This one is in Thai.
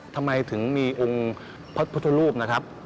ทำไมถึงมีองค์พระพุทธรูปนะครับ